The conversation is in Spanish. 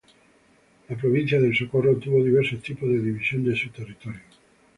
La provincia del Socorro tuvo diversos tipos de división de su territorio.